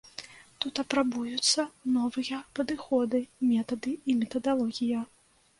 Тут апрабуюцца новыя падыходы, метады і метадалогія.